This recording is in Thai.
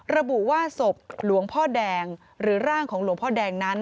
ระบุว่าศพหลวงพ่อแดงหรือร่างของหลวงพ่อแดงนั้น